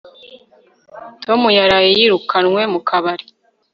tom yaraye yirukanwe mu kabari